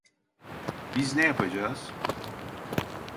Biz ne yapacağız?